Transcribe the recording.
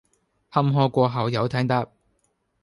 坎坷過後有艇搭！